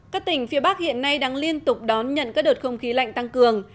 các tỉnh phía bắc hiện nay đang liên tục đón nhận các đợt không khí lạnh tăng cường